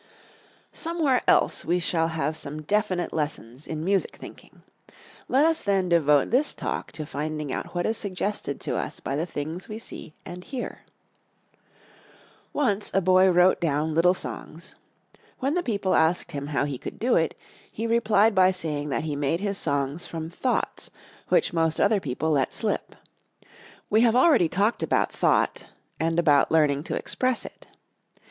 _ Somewhere else we shall have some definite lessons in music thinking. Let us then devote this Talk to finding out what is suggested to us by the things we see and hear. Once a boy wrote down little songs. When the people asked him how he could do it, he replied by saying that he made his songs from thoughts which most other people let slip. We have already talked about thought and about learning to express it.